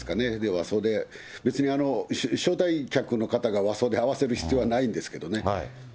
和装で、別に招待客の方が和装で合わせる必要はないんですけどね。